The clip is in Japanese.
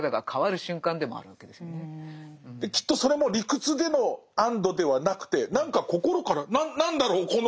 きっとそれも理屈での安堵ではなくて何か心から何だろう